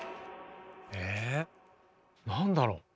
何だろう？